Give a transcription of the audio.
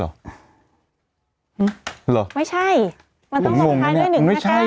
เหรอหึหรอไม่ใช่มันต้องลงท้ายด้วยหนึ่งห้าเก้ามันไม่ใช่